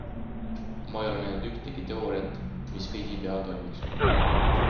Ma ei ole näinud ühtegi teooriat, mis kõigi peal toimiks.